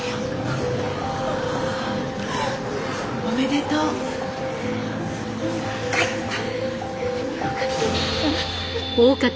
おめでとう！